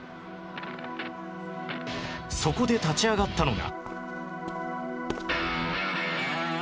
そこで立ち上がったのが